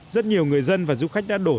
rất nhiều người dân và du khách đã đổ